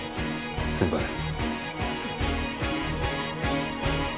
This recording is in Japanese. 先輩。